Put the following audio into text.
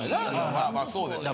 まあまあそうですけどね。